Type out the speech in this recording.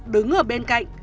đứng ở bên cạnh